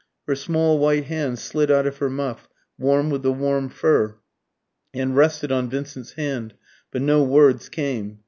Her small white hand slid out of her muff, warm with the warm fur, and rested on Vincent's hand; but no words came.